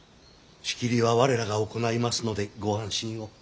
仕切りは我らが行いますのでご安心を。